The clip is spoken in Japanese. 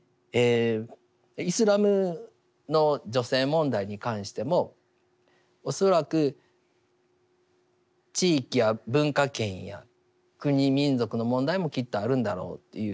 イスラムの女性問題に関しても恐らく地域や文化圏や国民族の問題もきっとあるんだろうというふうに思います。